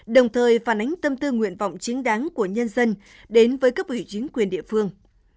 đồng thời phản ánh tâm tư nguyện vọng chính đáng của nhân dân đến với các bộ hữu chính quyền địa phương